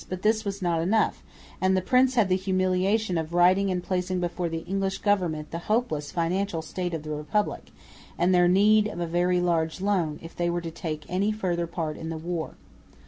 but this was not enough, and the prince had the humiliation of writing and placing before the English government the hopeless financial state of the Republic, and their need of a very large loan, if they were to take any further part in the war.